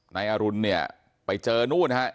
นายอรุณเนี่ยไปเจอนู่นฮะ